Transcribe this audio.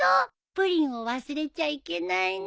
プリンを忘れちゃいけないね。